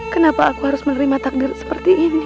kenapa aku harus menerima takdir seperti ini